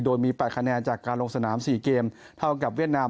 โดยมี๘คะแนนจากการลงสนาม๔เกมเท่ากับเวียดนาม